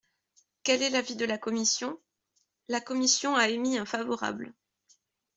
Quel est l’avis de la commission ? La commission a émis un favorable.